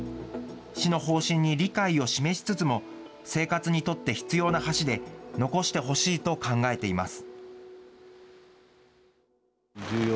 市の方針に理解を示しつつも、生活にとって必要な橋で、残してほしいと考えています。